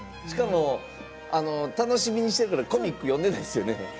しかも楽しみにしてるからコミック読んでないですよね。